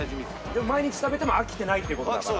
でも毎日食べても飽きてないってことだから。